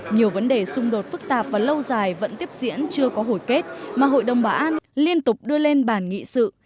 nhiều vấn đề xung đột phức tạp và lâu dài vẫn tiếp diễn chưa có hồi kết mà hội đồng bảo an liên tục đưa lên bàn nghị sự